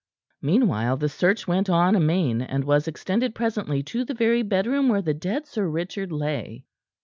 Meanwhile the search went on amain, and was extended presently to the very bedroom where the dead Sir Richard lay.